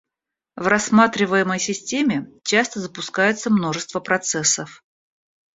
В рассматриваемой системе часто запускается множество процессов